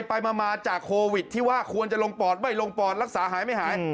ไปมาจากโควิดที่ว่าควรจะลงปอดไม่ลงปอดรักษาหายไม่หาย